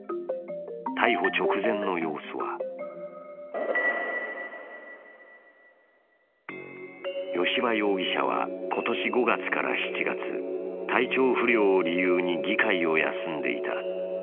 逮捕直前の様子は吉羽容疑者は今年５月から７月体調不良を理由に議会を休んでいた。